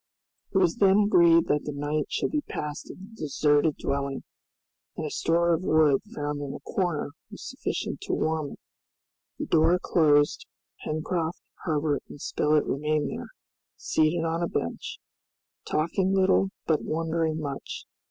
It was then agreed that the night should be passed in the deserted dwelling, and a store of wood found in a corner was sufficient to warm it. The door closed, Pencroft, Herbert and Spilett remained there, seated on a bench, talking little but wondering much.